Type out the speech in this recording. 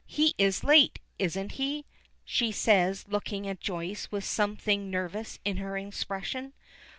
"He is late, isn't he?" she says, looking at Joyce with something nervous in her expression.